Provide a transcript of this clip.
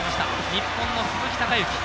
日本の鈴木孝幸。